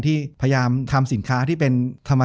จบการโรงแรมจบการโรงแรม